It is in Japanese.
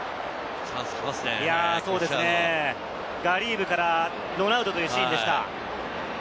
ガリーブからロナウドというシーンでした。